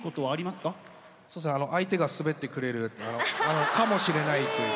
そうですね相手が滑ってくれるかもしれないという。